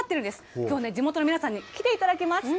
きょうね、地元の皆さんに来ていただきました。